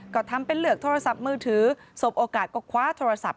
ก็ทำเป็นเลือกโทรศัพท์มือถือสบโอกาสก็คว้าโทรศัพท์